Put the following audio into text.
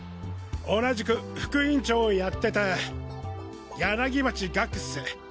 同じく副委員長をやってた柳町岳っス！